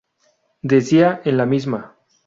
Decía en la misma